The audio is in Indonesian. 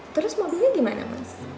terus mobilnya gimana mas